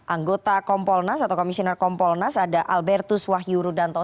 anggota kompolnas atau komisioner kompolnas ada albertus wahyu rudanto